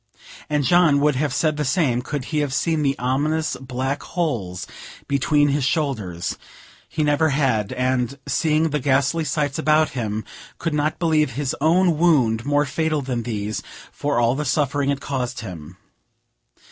And John would have said the same could he have seen the ominous black holes between his shoulders; he never had; and, seeing the ghastly sights about him, could not believe his own wound more fatal than these, for all the suffering it caused him.